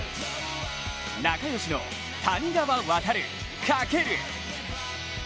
仲良しの谷川航・翔。